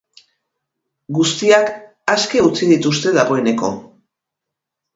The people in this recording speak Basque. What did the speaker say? Guztiak aske utzi dituzte dagoeneko.